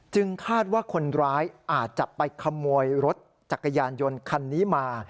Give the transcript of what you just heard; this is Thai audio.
คาดว่าคนร้ายอาจจะไปขโมยรถจักรยานยนต์คันนี้มา